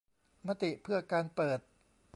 มติเพื่อการเปิด